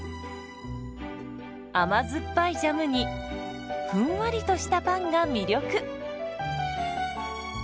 甘酸っぱいジャムにふんわりとしたパンが魅力。